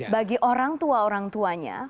bagi orang tua orang tuanya